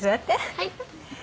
はい。